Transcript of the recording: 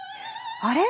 あれ？